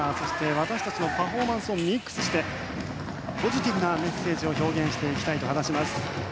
私たちのパフォーマンスをミックスしてポジティブなメッセージを表現していきたいと話します。